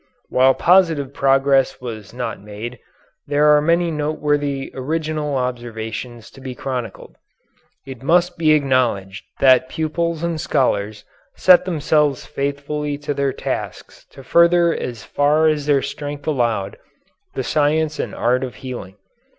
While positive progress was not made, there are many noteworthy original observations to be chronicled. It must be acknowledged that pupils and scholars set themselves faithfully to their tasks to further as far as their strength allowed the science and art of healing.